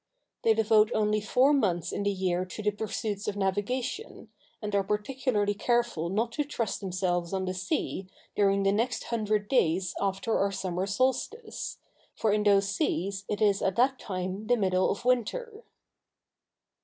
They devote only four months in the year to the pursuits of navigation, and are particularly careful not to trust themselves on the sea during the next hundred days after our summer solstice, for in those seas it is at that time the middle of winter.